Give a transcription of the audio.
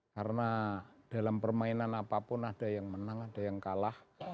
karena dalam permainan apapun ada yang menang ada yang kalah